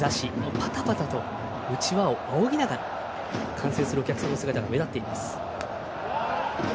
パタパタとうちわをあおぎながら観戦するお客さんの姿が目立っています。